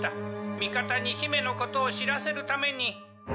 味方に姫のことを知らせるために。